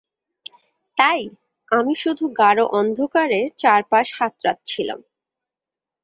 তাই, আমি শুধু গাঢ় অন্ধকারে চারপাশ হাতড়াচ্ছিলাম।